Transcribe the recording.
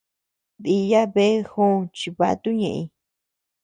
Diya bea jòò chivato ñeʼëñ.